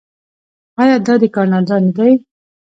آیا دا دی کاناډا نه دی؟